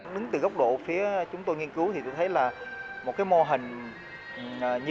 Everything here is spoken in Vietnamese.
đứng từ góc độ phía chúng tôi nghiên cứu thì tôi thấy là một cái mô hình như